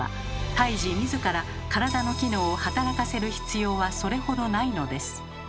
胎児自ら体の機能を働かせる必要はそれほどないのです。